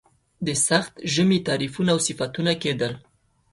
د سخت ژمي تعریفونه او صفتونه کېدل.